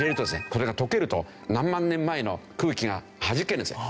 これが溶けると何万年前の空気がはじけるんですよ。